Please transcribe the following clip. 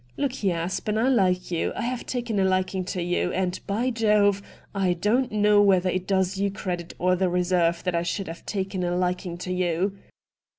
Look here, Aspen, I like you — I have taken a liking to you — and, by Jove ! I don't know whether it does you credit or the reverse that I should have taken a liking to you.